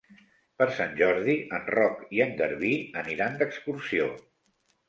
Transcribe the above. Per Sant Jordi en Roc i en Garbí aniran d'excursió.